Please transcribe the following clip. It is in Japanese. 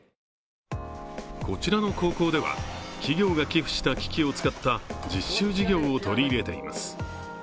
こちらの高校では、企業が寄付した機器を使った実習事業を取り入れています。